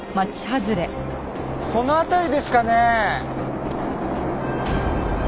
この辺りですかねえ？